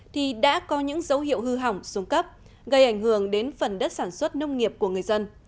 thì đã có những dấu hiệu hư hỏng xuống cấp gây ảnh hưởng đến phần đất sản xuất nông nghiệp của người dân